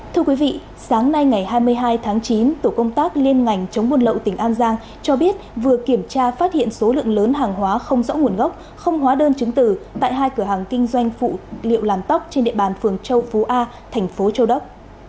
thưa quý vị sáng nay ngày hai mươi hai tháng chín tổ công tác liên ngành chống buôn lậu tỉnh an giang cho biết vừa kiểm tra phát hiện số lượng lớn hàng hóa không rõ nguồn gốc không hóa đơn chứng tử tại hai cửa hàng kinh doanh phụ liệu làm tóc trên địa bàn phường châu phú a thành phố châu đốc